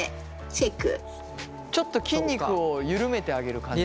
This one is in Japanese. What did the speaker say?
ちょっと筋肉を緩めてあげる感じ。